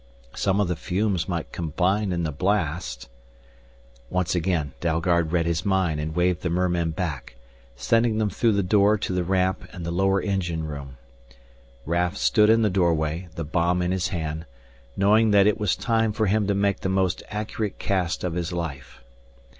Some of those fumes might combine in the blast Once again Dalgard read his mind and waved the mermen back, sending them through the door to the ramp and the lower engine room. Raf stood in the doorway, the bomb in his hand, knowing that it was time for him to make the most accurate cast of his life.